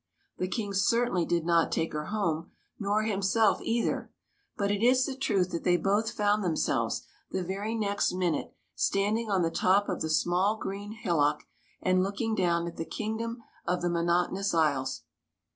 The King certainly did not take her home, nor himself either; but it is the truth that they both found themselves, the very next minute, standing on the top of the small green hillock and looking down at the kingdom of the Monotonous Isles.